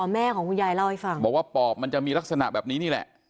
แม่ของคุณยายเล่าให้ฟังบอกว่าปอบมันจะมีลักษณะแบบนี้นี่แหละ